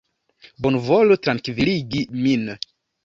Bonvolu trankviligi min.